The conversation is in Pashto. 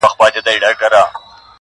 • زه چي وګرځمه ځان کي جهان وینم..